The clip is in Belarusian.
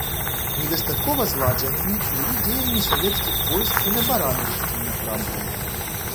Недастаткова зладжанымі былі дзеянні савецкіх войск і на баранавіцкім напрамку.